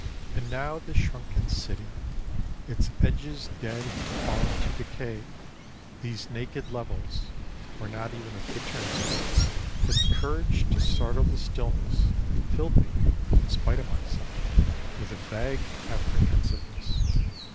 And now this shrunken city, its edges dead and fallen to decay, these naked levels, where not even a bittern's voice had courage to startle the stillness, filled me, in spite of myself, with a vague apprehensiveness.